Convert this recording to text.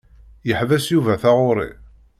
Yeḥbes Yuba taɣuṛi.